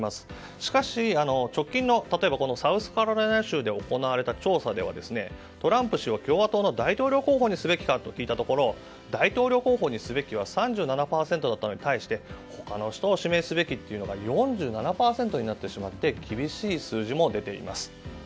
しかし、直近のサウスカロライナ州で行われた調査では、トランプ氏を共和党の大統領候補にすべきかと聞いたところ大統領候補にすべきは３７％だったのに対して他の人を指名すべきという声が４７％にも上ってしまい厳しい数字も出ています。